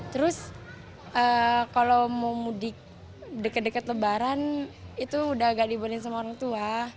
terus kalau mau mudik dekat dekat lebaran itu udah gak dibuatin sama orang tua